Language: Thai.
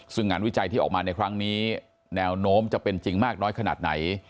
ซึ่งงานวิจัยที่ออกมาในครั้งนี้แนวโน้มจะเป็นจริงมากน้อยขนาดไหน